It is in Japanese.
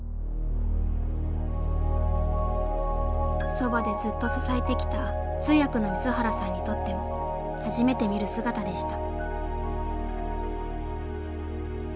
そばでずっと支えてきた通訳の水原さんにとっても初めて見る姿でした。